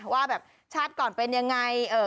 ว่าแบบชาติก่อนเป็นยังไง